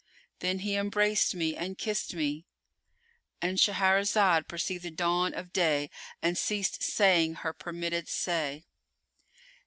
Then he embraced me and kissed me,"——And Shahrazad perceived the dawn of day and ceased saying her permitted say.